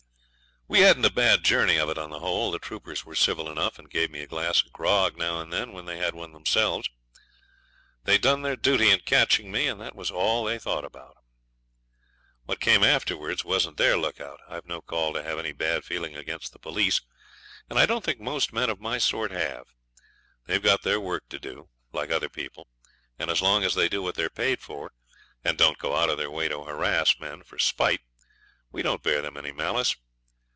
We hadn't a bad journey of it on the whole. The troopers were civil enough, and gave me a glass of grog now and then when they had one themselves. They'd done their duty in catching me, and that was all they thought about. What came afterwards wasn't their look out. I've no call to have any bad feeling against the police, and I don't think most men of my sort have. They've got their work to do, like other people, and as long as they do what they're paid for, and don't go out of their way to harass men for spite, we don't bear them any malice.